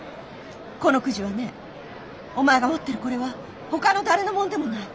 このくじはねお前が持ってるこれはほかの誰のもんでもない。